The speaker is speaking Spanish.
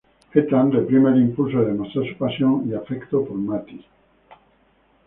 Ethan reprime el impulso de demostrar su pasión y afecto por Mattie.